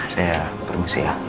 saya permisi ya